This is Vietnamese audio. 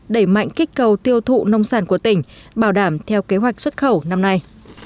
đẩy mạnh kích cầu tiêu thụ nông sản của tỉnh bảo đảm theo kế hoạch xuất khẩu năm nay